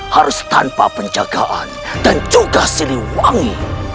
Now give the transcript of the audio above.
harus tanpa penjagaan dan juga siliwangi